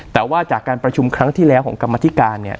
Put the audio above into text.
แต่ว่าจากการประชุมครั้งที่แล้วของกรรมธิการเนี่ย